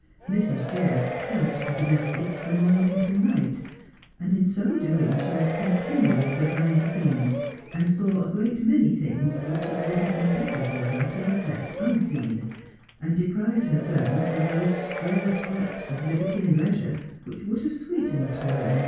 Mrs. Jebb helped the domestics from morning till night, and in so doing she was continually behind the scenes, and saw a great many things which it would have been better for her to have left unseen, and deprived her servants of those stray scrapi of liberty and leisure which would have sweetened toil and Suafto Jebb is sent for.